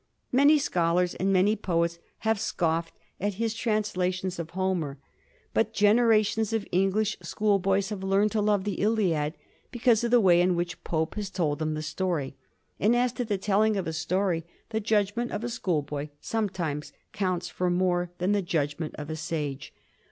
Many scholars and many poets have scofiPod at his translations of 198 A HISTORY OF THB FOUR GEORGEa cazxiin. Homer, but generations of English school boys have learn ed to love the " Diad " because of the way in which Pope has told them the story; and as to the telling of a story, the judgment of a school boy sometimes counts for more than the judgment of a sage.